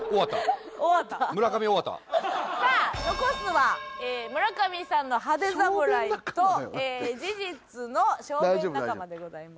さあ残すは村上さんの「派手侍」と事実の「小便仲間」でございます。